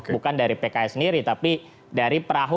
bukan dari pks sendiri tapi dari perahu